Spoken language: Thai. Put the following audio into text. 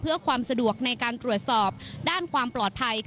เพื่อความสะดวกในการตรวจสอบด้านความปลอดภัย